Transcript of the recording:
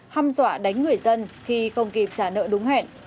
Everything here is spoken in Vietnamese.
hăm dọa đánh người dân khi không kịp trả nợ đúng hẹn